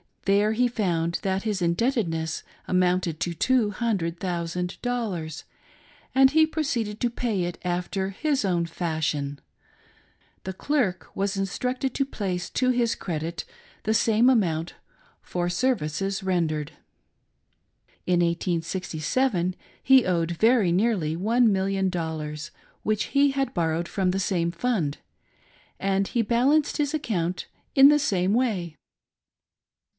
There he found that his indebtedness amounted to two hundred thousand dollars, and he proceeded to pay it after his own fashion :— the clerk was instructed to place to his credit the same amount "for services rendered" In 1 867, he owed very nearly one million dollars, which he had borrowed from the same fund, and he balanced his account in the same way.